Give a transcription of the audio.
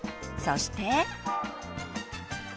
そして。